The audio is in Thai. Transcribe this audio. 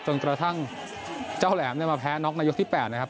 จนกระทั่งเจ้าแหลมเนี่ยมาแพ้น็อกในยกที่๘นะครับ